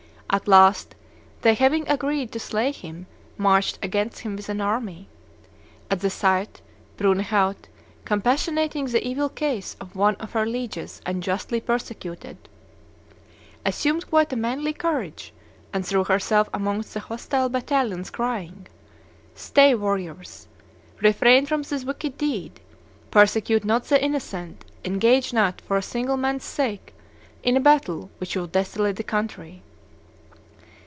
At last, they, having agreed to slay him, marched against him with an army. At the sight, Brunehaut, compassionating the evil case of one of her lieges unjustly persecuted, assumed quite a manly courage, and threw herself amongst the hostile battalions, crying, "'Stay, warriors; refrain from this wicked deed; persecute not the innocent; engage not, for a single man's sake, in a battle which will desolate the country!